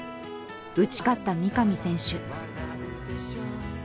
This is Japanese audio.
打ち勝った三上選手。